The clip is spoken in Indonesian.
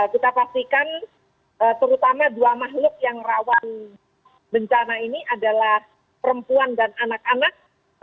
kita pastikan terutama dua makhluk yang rawan bencana ini adalah perempuan dan anak anak